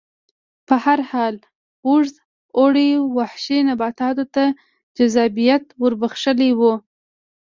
په هر حال اوږد اوړي وحشي نباتاتو ته جذابیت ور بخښلی و